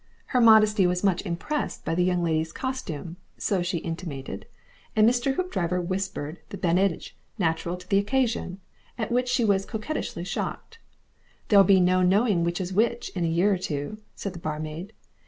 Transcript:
Her modesty was much impressed by the young lady's costume, so she intimated, and Mr. Hoopdriver whispered the badinage natural to the occasion, at which she was coquettishly shocked. "There'll be no knowing which is which, in a year or two," said the barmaid.